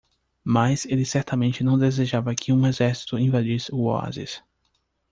Mas ele certamente não desejava que um exército invadisse o oásis.